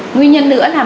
nguyên nhân nữa là